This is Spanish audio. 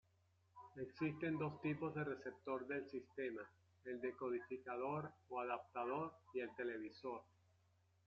Existen dos tipos de receptor del sistema: el decodificador o adaptador y el televisor.